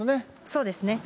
そうですね。